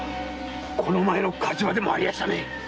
この前の火事場でもありやしたね。